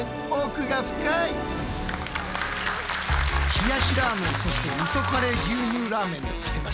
冷やしラーメンそしてみそカレー牛乳ラーメンでございました。